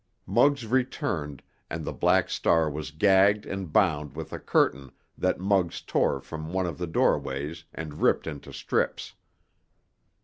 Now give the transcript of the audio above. Muggs returned, and the Black Star was gagged and bound with a curtain that Muggs tore from one of the doorways and ripped into strips.